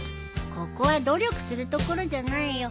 ここは努力するところじゃないよ。